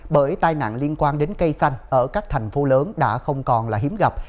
bởi tai nạn liên quan đến cây xanh ở các thành phố lớn đã không còn là hiếm gặp